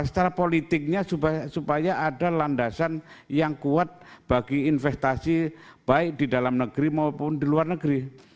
secara politiknya supaya ada landasan yang kuat bagi investasi baik di dalam negeri maupun di luar negeri